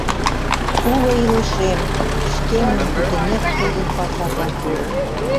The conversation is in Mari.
Уло илышем, шкемым пӱтынек тыйын пашатлан пуэм...»